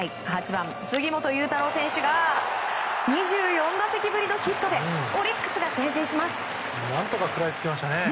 ８番、杉本裕太郎選手が２４打席ぶりのヒットでオリックスが先制します。